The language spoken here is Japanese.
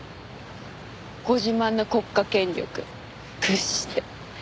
ご自慢の国家権力駆使して。